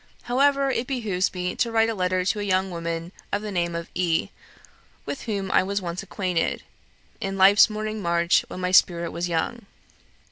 However, it behoves me to write a letter to a young woman of the name of E., with whom I was once acquainted, 'in life's morning march, when my spirit was young.'